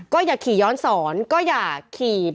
ก็อยากขีย้อนสนก็อยากขีแบบ